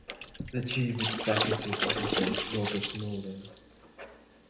The Chief Executive Officer is Robert Nolan.